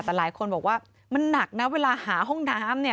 แต่หลายคนบอกว่ามันหนักนะเวลาหาห้องน้ำเนี่ย